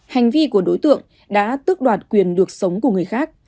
hành vi của đối tượng đã tước đoạt quyền được sống của người khác